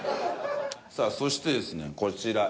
さあそしてですねこちら。